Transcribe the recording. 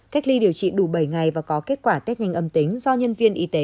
cách ly điều trị đủ bảy ngày và có kết quả tết nhanh âm tính do nhân viên y tế